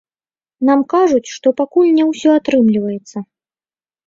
Нам кажуць, што пакуль не ўсё атрымліваецца.